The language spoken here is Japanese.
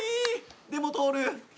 でも通る。